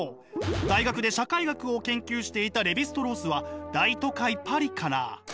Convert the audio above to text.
大学で社会学を研究していたレヴィ＝ストロースは大都会パリから。